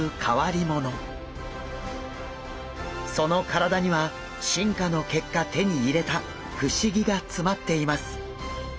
その体には進化の結果手に入れた不思議が詰まっています。